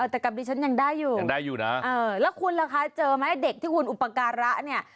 แต่กับดีฉันยังได้อยู่แล้วคุณล่ะค่ะเจอไหมเด็กที่คุณอุปการะเนี่ย